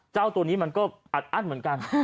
เจ้าตัวนี้มันก็อัดอั้นเหมือนกัน